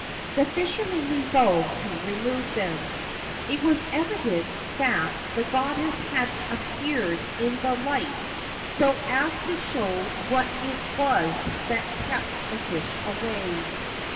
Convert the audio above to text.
The fishermen resolved to remove them. It was evident that the goddess had appeared in the light so as to show what it was that kept the fish away.